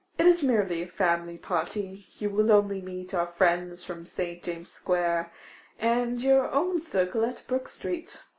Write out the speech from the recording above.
It is merely a family party; you will only meet our friends from St. James' square, and your own circle in Brook street.